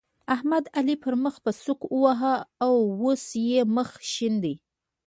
احمد؛ علي پر مخ په سوک وواهه ـ اوس يې مخ شين دی.